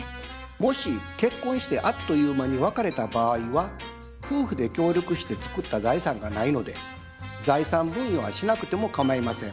もし結婚してあっという間に別れた場合は夫婦で協力して作った財産がないので財産分与はしなくてもかまいません。